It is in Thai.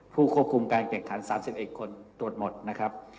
ผู้ควบคุมการแข่งขัน๓๑คนตรวจหมดนะครับ